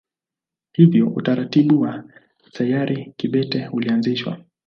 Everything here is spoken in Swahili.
Hivyo utaratibu wa sayari kibete ulianzishwa.